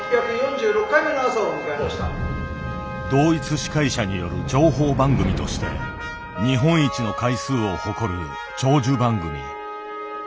同一司会者による情報番組として日本一の回数を誇る長寿番組。